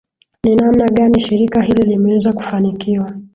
ni namna gani shirika hili limeweza kufanikiwa